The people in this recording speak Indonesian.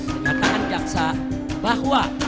kenyataan jaksa bahwa